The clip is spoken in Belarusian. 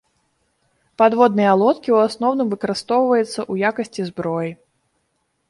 Падводныя лодкі ў асноўным выкарыстоўваюцца ў якасці зброі.